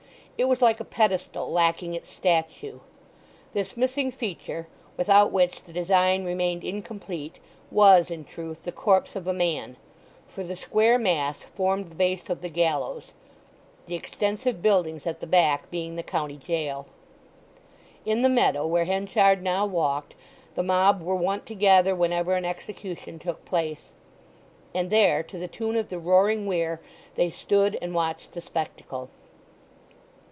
It was like a pedestal lacking its statue. This missing feature, without which the design remained incomplete, was, in truth, the corpse of a man, for the square mass formed the base of the gallows, the extensive buildings at the back being the county gaol. In the meadow where Henchard now walked the mob were wont to gather whenever an execution took place, and there to the tune of the roaring weir they stood and watched the spectacle.